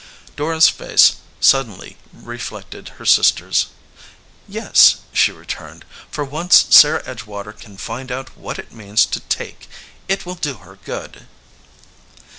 Dora s face suddenly reflected her sister s. "Yes," she returned, "for once Sarah Edgewater 87 EDGEWATER PEOPLE can find out what it means to take. It will do her good."